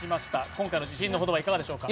今回の自信のほどはいかがでしょうか。